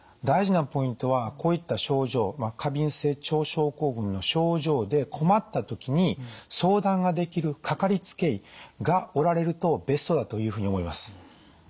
大事なポイントはこういった症状過敏性腸症候群の症状で困った時に相談ができるかかりつけ医がおられるとベストだというふうに思います。